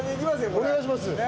お願いします。